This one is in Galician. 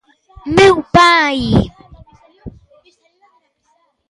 Meu pai!